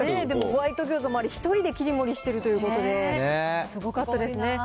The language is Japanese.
でもホワイト餃子も、あれ、一人で切り盛りしてるということで、すごかったですね。